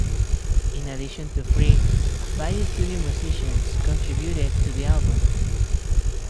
In addition to Free, five studio musicians contributed to the album.